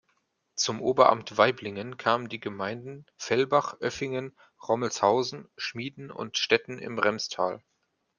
Zum Oberamt Waiblingen kamen die Gemeinden Fellbach, Oeffingen, Rommelshausen, Schmiden und Stetten im Remstal.